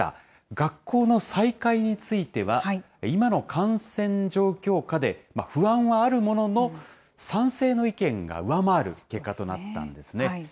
学校の再開については、今の感染状況下で、不安はあるものの、賛成の意見が上回る結果となったんですね。